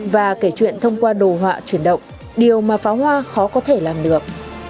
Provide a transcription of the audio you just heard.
và kể chuyện thông qua đồ họa chuyển động điều mà pháo hoa khó có thể làm được